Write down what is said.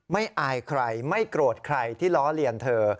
อายใครไม่โกรธใครที่ล้อเลียนเธอ